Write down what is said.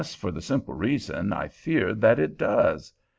for the simple reason, I fear, that it does.